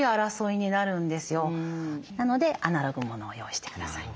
なのでアナログものを用意して下さい。